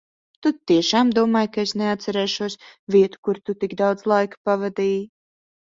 Tu tiešām domāji, ka es neatcerēšos vietu, kur tu tik daudz laika pavadīji?